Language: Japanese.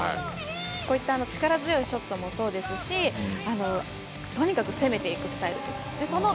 こういった力強いショットもそうですしとにかく攻めていくスタイルです。